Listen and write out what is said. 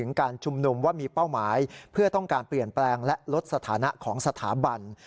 การชุมนุมว่ามีเป้าหมายเพื่อต้องการเปลี่ยนแปลงและลดสถานะของสถาบัน